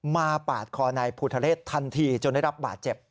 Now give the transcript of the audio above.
ปาดคอนายภูทะเรศทันทีจนได้รับบาดเจ็บ